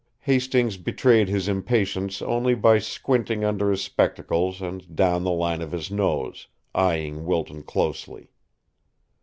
Hastings betrayed his impatience only by squinting under his spectacles and down the line of his nose, eying Wilton closely.